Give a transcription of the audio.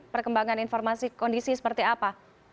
perkembangan informasi kondisi seperti apa